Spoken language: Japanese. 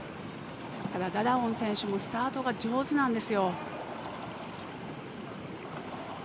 ダダオン選手もスタートが上手なんです。